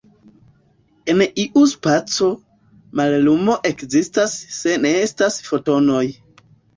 En iu spaco, mallumo ekzistas se ne estas Fotonoj.